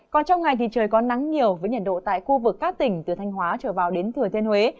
còn trong ngày thì trời có nắng nhiều với nhiệt độ tại khu vực các tỉnh từ thanh hóa trở vào đến thừa thiên huế